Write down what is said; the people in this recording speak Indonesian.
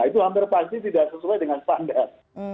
itu hampir pasti tidak sesuai dengan standar